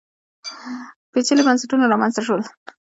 پېچلي بنسټونه رامنځته شول